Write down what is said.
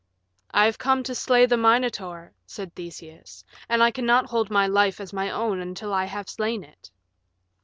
"I have come to slay the Minotaur," said Theseus, "and I cannot hold my life as my own until I have slain it."